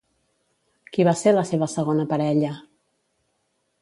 Qui va ser la seva segona parella?